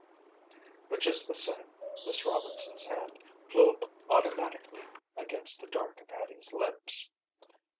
But, just the same, Miss Robinson's hand flew up automatically against the dark of Hattie's lips.